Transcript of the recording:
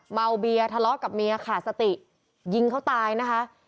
เมาเบียทะเลาะกับเมียขาดสติยิงเขาตายนะคะ